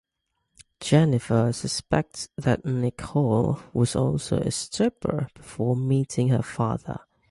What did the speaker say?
Jennifer suspects that Nichole was also a stripper before meeting her father.